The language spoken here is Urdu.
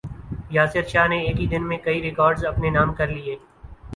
یاسر شاہ نے ایک ہی دن میں کئی ریکارڈز اپنے نام کر لیے